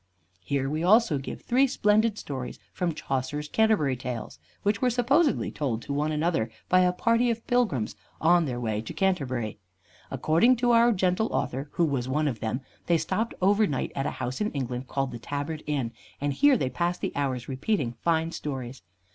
Here we also give three splendid stories from Chaucer's "Canterbury Tales," which were supposedly told to one another by a party of pilgrims on their way to Canterbury. According to our gentle author, who was one of them, they stopped over night at a house in England called the Tabard Inn, and here they passed the hours repeating fine stories.